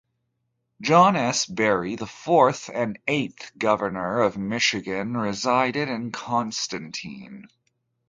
John S. Barry, the fourth and eighth Governor of Michigan resided in Constantine.